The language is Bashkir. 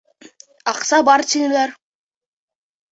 Аҡса бар, тинеләр.